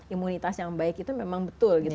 imunitas yang baik itu memang betul gitu